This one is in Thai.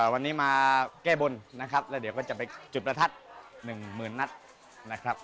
วันนี้มาแก้บนนะครับแล้วเดี๋ยวก็จะไปจุดประทัดหนึ่งหมื่นนัดนะครับ